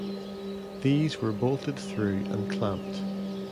These were bolted through and clamped.